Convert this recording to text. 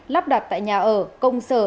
lắp đặt tại nhà ở công sở